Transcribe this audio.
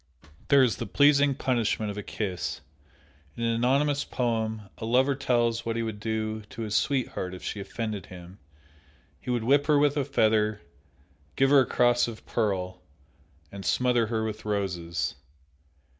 There is the pleasing punishment of a kiss. In an anonymous poem, a lover tells what he would do to his sweetheart if she offended him; he would whip her with a feather, give her a cross of pearl, and smother her with roses.